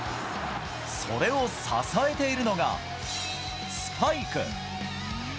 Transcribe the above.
それを支えているのが、スパイク。